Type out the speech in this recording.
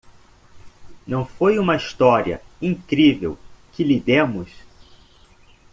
Não foi uma história incrível que lhe demos?